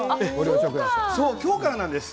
今日からなんですね